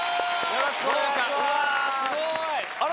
よろしくお願いします。